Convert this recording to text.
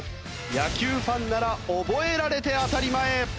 野球ファンなら覚えられて当たり前。